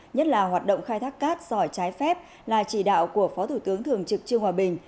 nhất là hoạt động khai thác cát sỏi trái phép là chỉ đạo của phó thủ tướng thường trực trương hòa bình